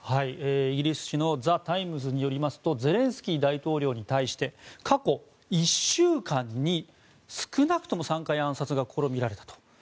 イギリス紙のザ・タイムズによりますとゼレンスキー大統領に対して過去１週間に少なくとも３回暗殺が試みられたと。